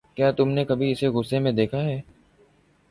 کیا تم نے کبھی اسے غصے میں دیکھا ہے؟